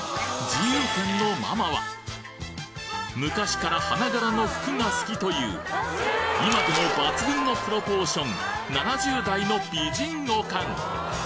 自由軒のママは昔から花柄の服が好きという今でも抜群のプロポーション７０代の美人オカン